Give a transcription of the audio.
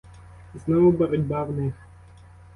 Знову боротьба в них.